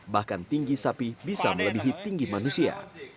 bahkan tinggi sapi bisa melebihi tinggi manusia